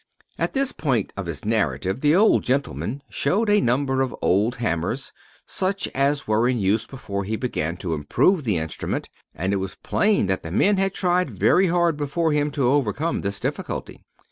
At this point of his narrative the old gentleman showed a number of old hammers, such as were in use before he began to improve the instrument; and it was plain that men had tried very hard before him to overcome this difficulty.